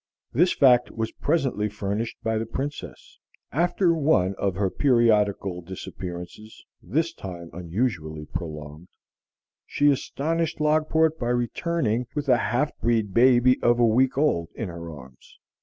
This fact was presently furnished by the Princess. After one of her periodical disappearances, this time unusually prolonged, she astonished Logport by returning with a half breed baby of a week old in her arms.